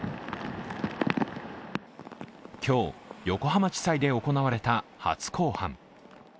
今日、横浜地裁で行われた初公判。